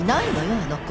あの子は